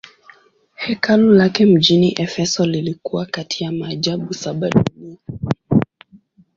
Hekalu lake mjini Efeso lilikuwa kati ya maajabu saba ya dunia.